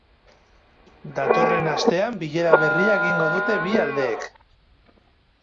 Datorren astean bilera berria egingo dute bi aldeek.